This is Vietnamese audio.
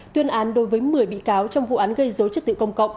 tuyên án đối với một mươi bị cáo trong vụ án gây dối trật tự công cộng